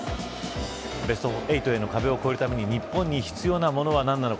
ベスト８への壁を越えるために日本に必要なものは何なのか。